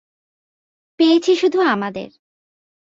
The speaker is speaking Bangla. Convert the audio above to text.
পেয়েছি শুধু আমাদের।